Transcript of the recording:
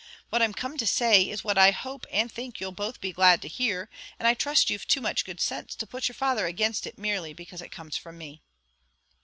What I'm come to say is what I hope and think you'll both be glad to hear; and I trust you've too much good sense to put your father against it merely because it comes from me."